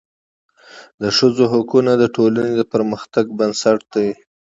د ښځو حقونه د ټولني د پرمختګ بنسټ دی.